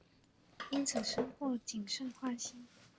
因此深获景胜欢心。